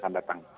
saya kira begitu